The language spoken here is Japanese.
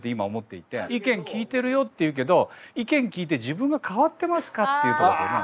意見聞いてるよっていうけど意見聞いて自分が変わってますかっていうとこですよね。